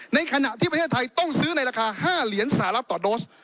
ในขณะที่ประเทศไทยต้องซื้อในราคา๕เหรียญสหรัฐต่อโดส